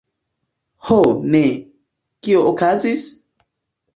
Ho ne! Kio okazis?